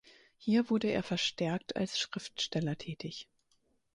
Hier wurde er verstärkt als Schriftsteller tätig.